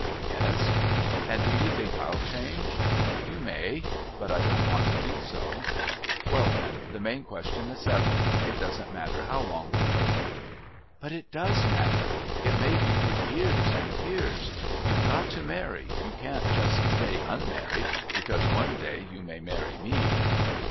"Yes." "And do you think I'll change?" "You may. But I don't want to think so." "Well, then, the main question is settled. It doesn't matter how long we wait." "But it does matter. It may be for years and years. You've got to marry, you can't just stay unmarried because one day you may marry me."